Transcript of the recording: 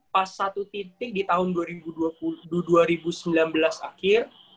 pas satu titik di tahun dua ribu sembilan belas akhir